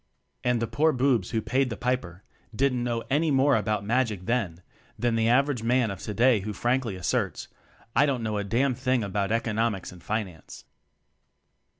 And the poor boobs who "paid the piper" didn't know any more about magic then, than the average man of today who frankly asserts: "I don't know a damned thing about Econom ics and Finance."